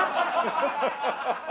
ハハハハ！